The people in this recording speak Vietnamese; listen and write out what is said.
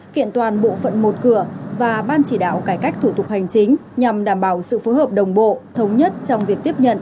kiện toàn bộ phận một cửa và ban chỉ đạo cải cách thủ tục hành chính nhằm đảm bảo sự phối hợp đồng bộ thống nhất trong việc tiếp nhận